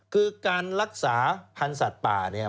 คือการรักษาพันธุ์สัตว์ป่าเนี่ย